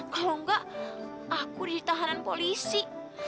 kalau enggak aku ditahanan polisi